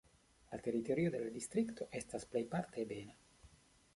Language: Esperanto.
La teritorio de la distrikto estas plejparte ebena.